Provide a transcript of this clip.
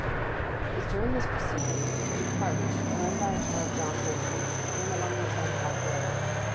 It was during this proceeding that a carriage, drawn by a pair of dark horses, came along the turnpike road.